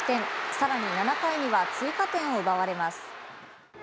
さらに７回には追加点を奪われます。